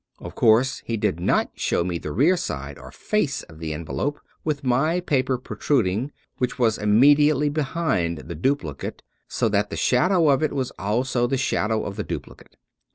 Of course he did not show me the rear side or face of the envelope, with my paper protruding, which was immediately behind the duplicate, so that the shadow of it was also the shadow of the duplicate.